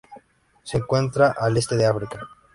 Se encuentra al Este de África.